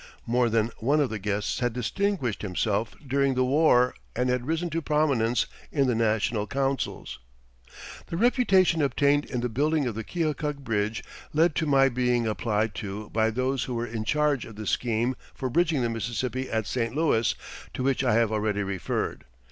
More than one of the guests had distinguished himself during the war and had risen to prominence in the national councils. The reputation obtained in the building of the Keokuk bridge led to my being applied to by those who were in charge of the scheme for bridging the Mississippi at St. Louis, to which I have already referred.